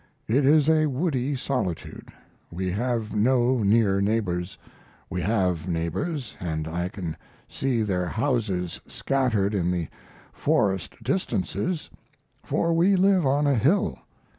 It is a woody solitude. We have no near neighbors. We have neighbors and I can see their houses scattered in the forest distances, for we live on a hill.